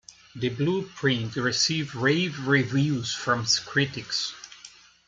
"The Blueprint" received rave reviews from critics.